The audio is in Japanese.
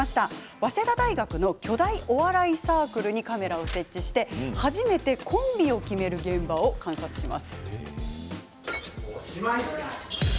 早稲田大学の巨大お笑いサークルにカメラを設置して初めてコンビを決める現場を観察します。